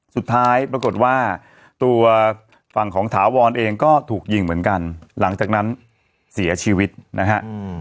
สุดท้ายปรากฏว่าตัวฝั่งของถาวรเองก็ถูกยิงเหมือนกันหลังจากนั้นเสียชีวิตนะฮะ